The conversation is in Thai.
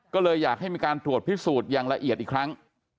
ก็เลยอยากให้มีการตรวจพิสูจน์อย่างละเอียดอีกครั้ง